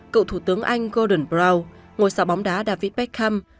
cựu thủ tướng anh golden brown ngôi sao bóng đá david beckham